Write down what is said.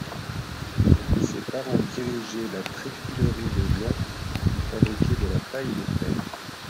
Ses parents dirigeaient la tréfilerie de Long qui fabriquait de la paille de fer.